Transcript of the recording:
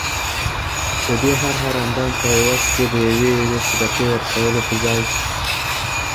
ددې هر هر اندام په عوض کي د یوې یوې صدقې ورکولو په ځای